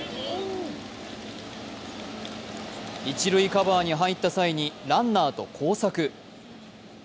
一塁カバーに入った際にランナーと交錯。